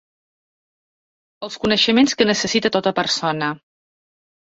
Els coneixements que necessita tota persona